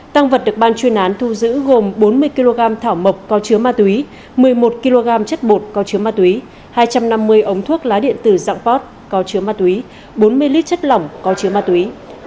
tăng vật được ban chuyên án thu giữ gồm bốn mươi kg thảo mộc có chứa ma túy một mươi một kg chất bột có chứa ma túy hai trăm năm mươi ống thuốc lá điện tử dạng pot có chứa ma túy bốn mươi lít chất lỏng có chứa ma túy